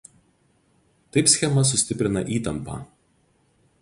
Taip schema sustiprina įtampą.